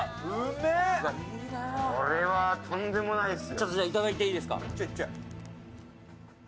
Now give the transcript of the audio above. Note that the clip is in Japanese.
これはとんでもないですよ。